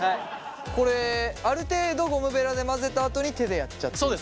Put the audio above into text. これある程度ゴムベラで混ぜたあとに手でやっちゃっていいってことですか？